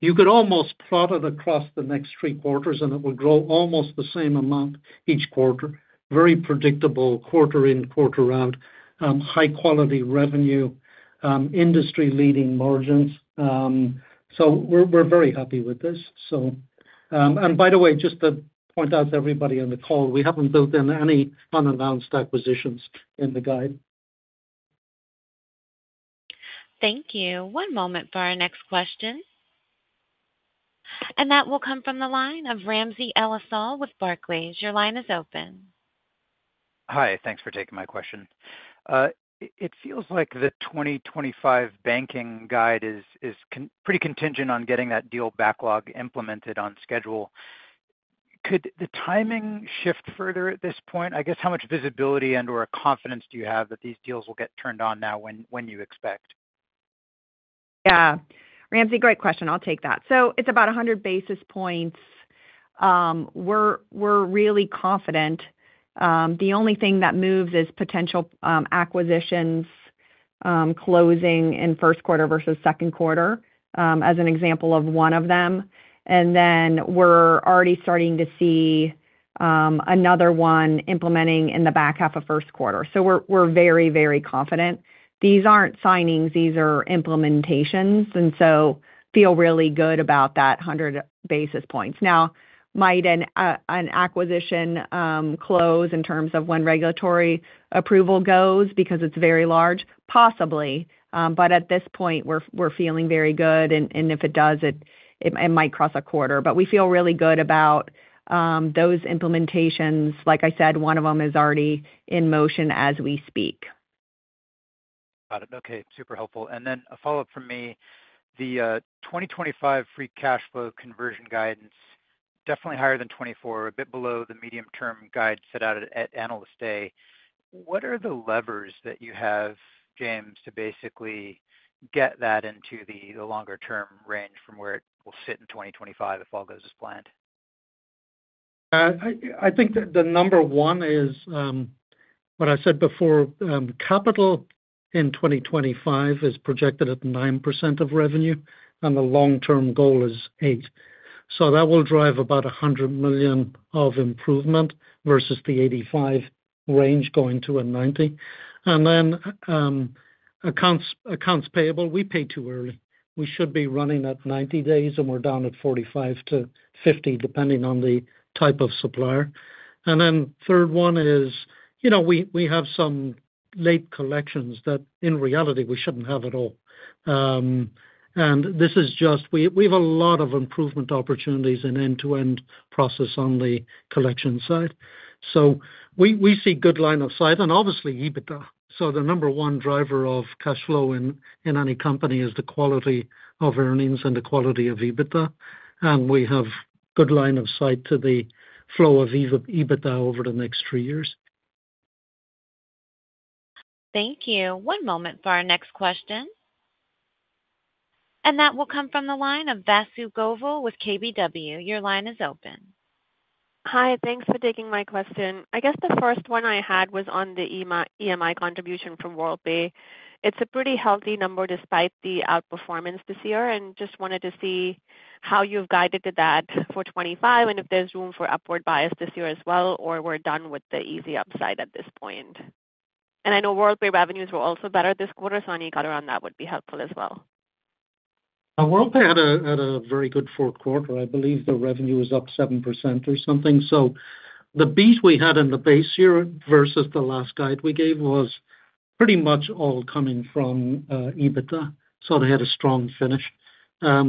You could almost plot it across the next three quarters, and it would grow almost the same amount each quarter. Very predictable quarter in, quarter out. High-quality revenue, industry-leading margins. We're very happy with this. By the way, just to point out to everybody on the call, we haven't built in any unannounced acquisitions in the guide. Thank you. One moment for our next question. That will come from the line of Ramsey El-Assal with Barclays. Your line is open. Hi. Thanks for taking my question. It feels like the 2025 Banking guide is pretty contingent on getting that deal backlog implemented on schedule. Could the timing shift further at this point? I guess how much visibility and/or confidence do you have that these deals will get turned on now when you expect? Yeah. Ramsey, great question. I'll take that. So it's about 100 basis points. We're really confident. The only thing that moves is potential acquisitions closing in first quarter versus second quarter as an example of one of them. And then we're already starting to see another one implementing in the back half of first quarter. So we're very, very confident. These aren't signings. These are implementations. And so feel really good about that 100 basis points. Now, might an acquisition close in terms of when regulatory approval goes because it's very large? Possibly. But at this point, we're feeling very good. And if it does, it might cross a quarter. But we feel really good about those implementations. Like I said, one of them is already in motion as we speak. Got it. Okay. Super helpful. And then a follow-up from me. The 2025 free cash flow conversion guidance, definitely higher than 2024, a bit below the medium-term guide set out at Analyst Day. What are the levers that you have, James, to basically get that into the longer-term range from where it will sit in 2025 if all goes as planned? I think the number one is, what I said before, capital in 2025 is projected at 9% of revenue, and the long-term goal is 8%. So that will drive about $100 million of improvement versus the 8.5 range going to a 9.0. And then accounts payable, we pay too early. We should be running at 90 days, and we're down at 45-50, depending on the type of supplier. And then third one is we have some late collections that, in reality, we shouldn't have at all. And this is just we have a lot of improvement opportunities in end-to-end process on the collection side. So we see good line of sight. And obviously, EBITDA. So the number one driver of cash flow in any company is the quality of earnings and the quality of EBITDA. And we have good line of sight to the flow of EBITDA over the next three years. Thank you. One moment for our next question. And that will come from the line of Vasu Govil with KBW. Your line is open. Hi. Thanks for taking my question. I guess the first one I had was on the EMI contribution from Worldpay. It's a pretty healthy number despite the outperformance this year. And just wanted to see how you've guided to that for 2025 and if there's room for upward bias this year as well or we're done with the easy upside at this point. And I know Worldpay revenues were also better this quarter. So any color on that would be helpful as well. Worldpay had a very good fourth quarter. I believe the revenue was up 7% or something, so the beat we had in the base year versus the last guide we gave was pretty much all coming from EBITDA, so they had a strong finish. As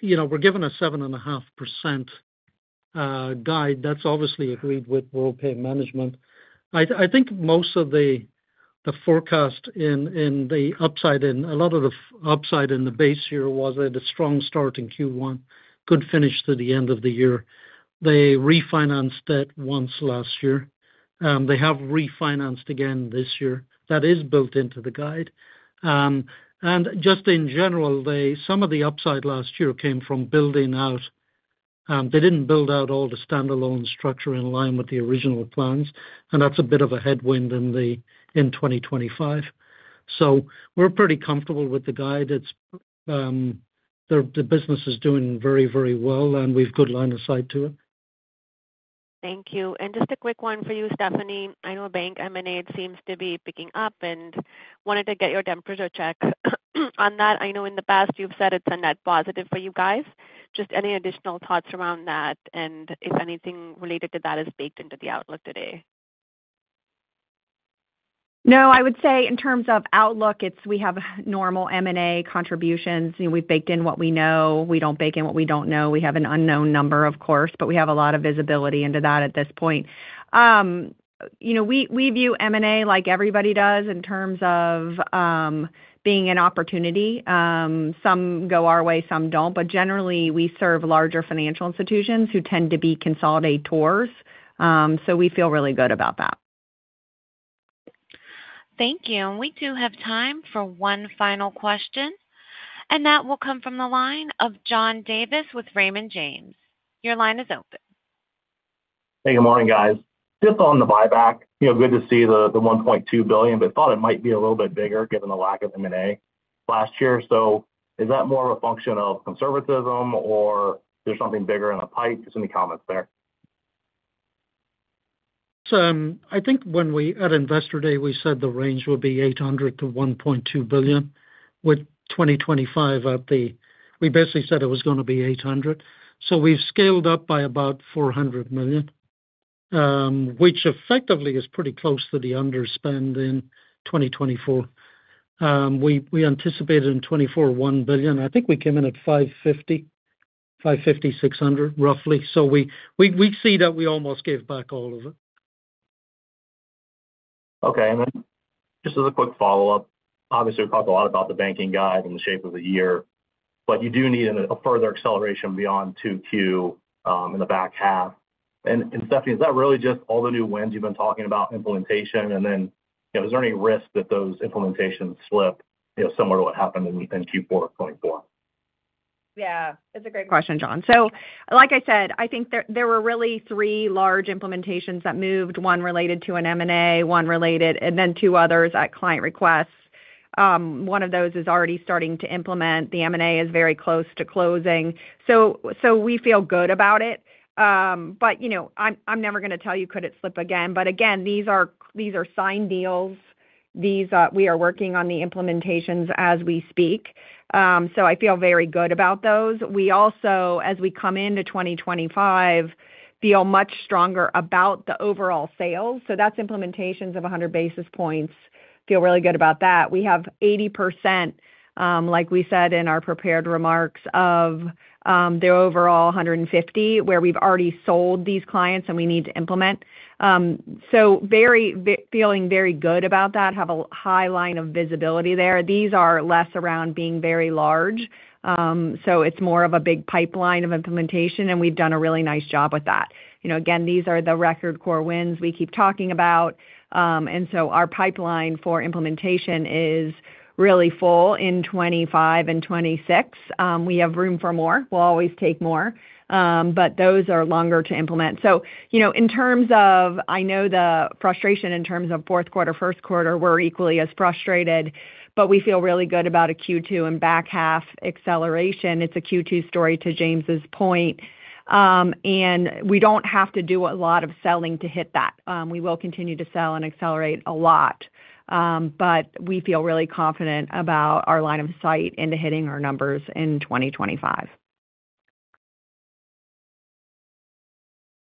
we're given a 7.5% guide, that's obviously agreed with Worldpay management. I think most of the forecast in the upside in a lot of the upside in the base year was a strong start in Q1, good finish to the end of the year. They refinanced that once last year. They have refinanced again this year. That is built into the guide, and just in general, some of the upside last year came from building out. They didn't build out all the standalone structure in line with the original plans, and that's a bit of a headwind in 2025. So we're pretty comfortable with the guide. The business is doing very, very well, and we've good line of sight to it. Thank you. And just a quick one for you, Stephanie. I know bank M&A seems to be picking up and wanted to get your temperature check on that. I know in the past you've said it's a net positive for you guys. Just any additional thoughts around that and if anything related to that is baked into the outlook today? No, I would say in terms of outlook, we have normal M&A contributions. We've baked in what we know. We don't bake in what we don't know. We have an unknown number, of course, but we have a lot of visibility into that at this point. We view M&A like everybody does in terms of being an opportunity. Some go our way, some don't. But generally, we serve larger financial institutions who tend to be consolidators. So we feel really good about that. Thank you. And we do have time for one final question. And that will come from the line of John Davis with Raymond James. Your line is open. Hey, good morning, guys. Just on the buyback. Good to see the $1.2 billion, but thought it might be a little bit bigger given the lack of M&A last year. So is that more of a function of conservatism, or is there something bigger in the pipe? Just in the comments there. I think when we at Investor Day, we said the range would be $800 million-$1.2 billion with 2025 at the we basically said it was going to be $800 million. So we've scaled up by about $400 million, which effectively is pretty close to the underspend in 2024. We anticipated in 2024 $1 billion. I think we came in at $550-$600 million, roughly. So we see that we almost gave back all of it. Okay, and then just as a quick follow-up, obviously, we talked a lot about the Banking guide and the shape of the year, but you do need a further acceleration beyond Q2 in the back half. And Stephanie, is that really just all the new wins you've been talking about, implementation? And then is there any risk that those implementations slip similar to what happened in Q4 of 2024? Yeah. That's a great question, John. So like I said, I think there were really three large implementations that moved, one related to an M&A, one related, and then two others at client requests. One of those is already starting to implement. The M&A is very close to closing. So we feel good about it. But I'm never going to tell you could it slip again. But again, these are signed deals. We are working on the implementations as we speak. So I feel very good about those. We also, as we come into 2025, feel much stronger about the overall sales. So that's implementations of 100 basis points. Feel really good about that. We have 80%, like we said in our prepared remarks, of the overall 150 where we've already sold these clients and we need to implement. So feeling very good about that, have a high level of visibility there. These are less around being very large. So it's more of a big pipeline of implementation, and we've done a really nice job with that. Again, these are the record core wins we keep talking about. So our pipeline for implementation is really full in 2025 and 2026. We have room for more. We'll always take more. But those are longer to implement. So in terms of I know the frustration in terms of fourth quarter, first quarter, we're equally as frustrated, but we feel really good about a Q2 and back half acceleration. It's a Q2 story to James's point. And we don't have to do a lot of selling to hit that. We will continue to sell and accelerate a lot. But we feel really confident about our line of sight into hitting our numbers in 2025.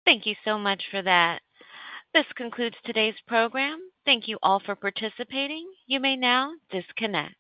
Thank you so much for that. This concludes today's program. Thank you all for participating. You may now disconnect.